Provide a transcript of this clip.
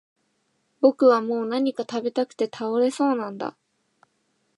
僕はもう何か喰べたくて倒れそうなんだ